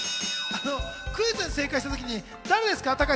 クイズに正解した時に誰ですか？